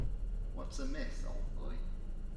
What's amiss, old boy?